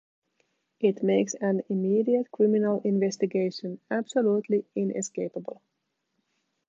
It makes an immediate criminal investigation absolutely inescapable.